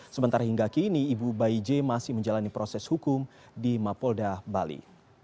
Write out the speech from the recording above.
sementara hingga kini ibu bayi j masih menjalani proses hukum di mapolda bali